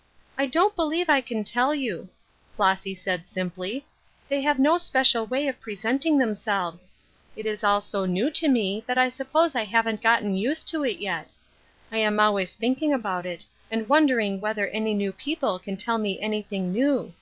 " I don't believe I can tell you," Flossy said, Bimpl3\ " They have no special way of present ing themselves. It is all so new to me that I suppose I haven't gotten used to it yet. I am Alwa3^s thinking about it, and wondering whether any new people can tell me anything new.